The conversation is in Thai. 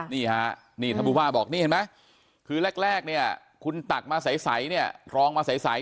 นี่ค่ะนี่ท่านภูพ่าบอกนี่เห็นไหมคือแรกคุณตักมาใสรองมาใส